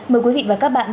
mời quý vị và các bạn